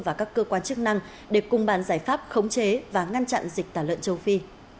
và các cơ quan chức năng để cùng bàn giải pháp khống chế và ngăn chặn dịch tả lợn châu phi